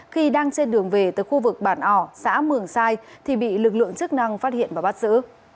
khi đang trên đường về tới khu vực bản ỏ xã mường sai thì bị lực lượng chức năng phát hiện và bắt giữ